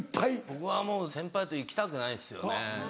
僕はもう先輩と行きたくないんですよね。